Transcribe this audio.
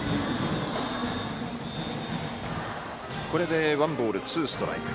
これでワンボール、ツーストライク。